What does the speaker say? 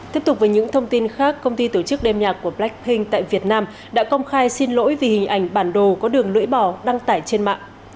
tiếp tục với những thông tin khác công ty tổ chức đêm nhạc của blacking tại việt nam đã công khai xin lỗi vì hình ảnh bản đồ có đường lưỡi bỏ đăng tải trên mạng